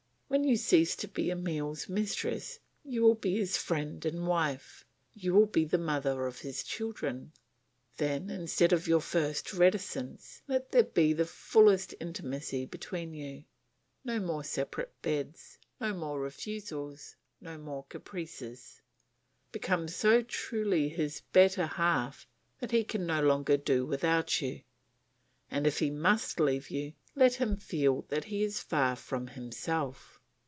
When you cease to be Emile's mistress you will be his friend and wife; you will be the mother of his children. Then instead of your first reticence let there be the fullest intimacy between you; no more separate beds, no more refusals, no more caprices. Become so truly his better half that he can no longer do without you, and if he must leave you, let him feel that he is far from himself.